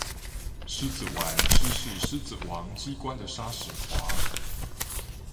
獅子丸師事獅子王機關的紗矢華